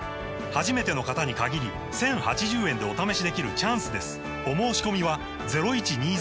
初めての方に限り１０８０円でお試しできるチャンスです